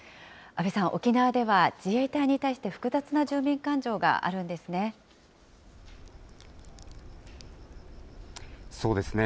阿部さん、沖縄では自衛隊に対して複雑な住民感情があるんですね。